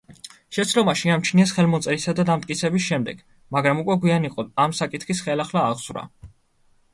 შეცდომა შეამჩნიეს ხელმოწერისა და დამტკიცების შემდეგ, მაგრამ უკვე გვიან იყო ამ საკითხის ხელახლა აღძვრა.